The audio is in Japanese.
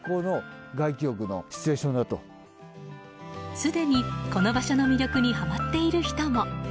すでに、この場所の魅力にはまっている人も。